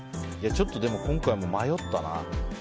ちょっとでも今回も迷ったな。